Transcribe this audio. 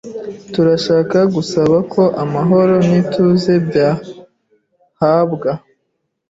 Turashaka gusaba ko amahoro n'ituze byahabwa